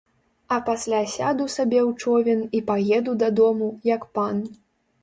А пасля сяду сабе ў човен і паеду дадому, як пан.